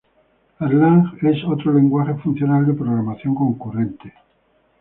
Erlang es otro lenguaje funcional de programación concurrente.